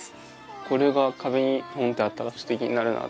これが壁にポンってあったらステキになるなって。